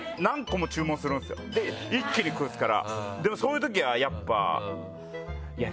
一気にくるっすからでもそういうときはやっぱ。